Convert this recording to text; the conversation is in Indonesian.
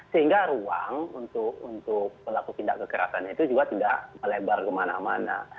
sehingga ruang untuk pelaku tindak kekerasan itu juga tidak melebar kemana mana